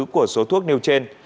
của số thuốc nêu trên